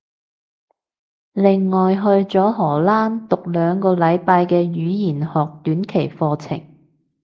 另外去咗荷蘭讀兩個禮拜嘅語言學短期課程